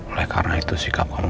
oleh karena itu sikap kami